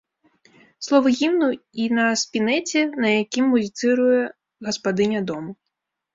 Словы гімну і на спінэце, на якім музіцыруе гаспадыня дому.